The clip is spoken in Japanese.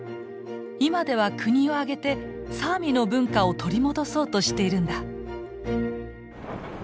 今では国を挙げてサーミの文化を取り戻そうとしているんだ。